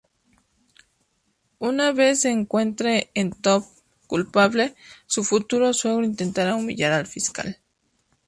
Una vez se encuentre a Tom culpable, su futuro suegro intentará humillar al fiscal.